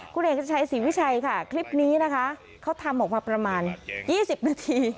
คุณเอกชัยศรีวิชัยค่ะคลิปนี้นะคะเขาทำออกมาประมาณ๒๐นาที